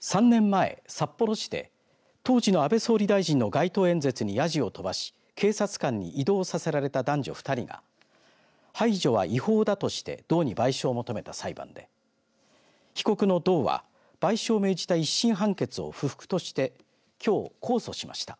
３年前、札幌市で当時の安倍総理大臣の街頭演説にやじを飛ばし警察官に移動させられた男女２人が排除は違法だとして道に賠償を求めた裁判で被告の道は賠償を命じた１審判決を不服としてきょう控訴しました。